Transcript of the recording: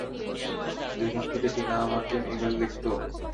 যেখান থেকে টিনা আমাকে, ইমেইল লিখত?